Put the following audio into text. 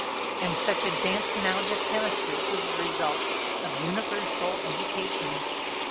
And such advanced knowledge of chemistry was the result of universal education.